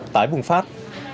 tại bùng phát